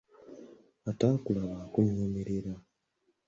Ataakulaba akunyoomerera.